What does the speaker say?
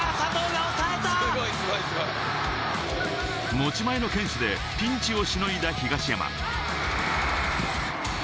持ち前の堅守で、ピンチをしのいだ東山。